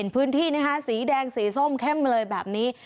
พื้นที่นะคะสีแดงสีส้มเข้มเลยแบบนี้